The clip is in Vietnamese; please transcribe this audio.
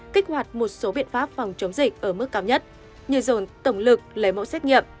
kích hoạt một số biện pháp phòng chống dịch ở mức cao nhất như dồn tổng lực lấy mẫu xét nghiệm